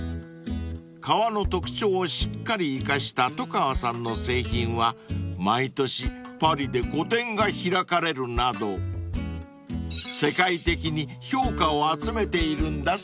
［革の特徴をしっかり生かしたと革さんの製品は毎年パリで個展が開かれるなど世界的に評価を集めているんだそうです］